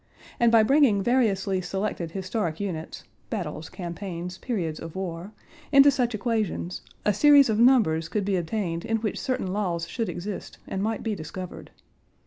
And by bringing variously selected historic units (battles, campaigns, periods of war) into such equations, a series of numbers could be obtained in which certain laws should exist and might be discovered.